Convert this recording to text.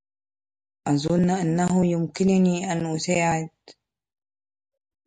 أظن أنه يمكنني أن أساعد.